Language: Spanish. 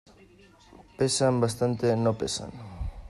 pesan bastante. no pesan .